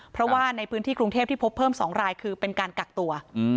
เพราะว่าในพื้นที่กรุงเทพที่พบเพิ่ม๒รายคือเป็นการกักตัว